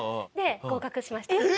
で合格しました。